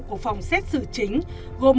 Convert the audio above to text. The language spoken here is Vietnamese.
của phòng xét xử chính gồm